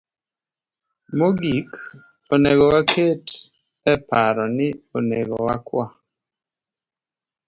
Mogik, onego waket e paro ni onego wakwa